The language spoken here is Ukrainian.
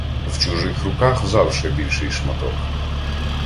В чужих руках завше більший шматок.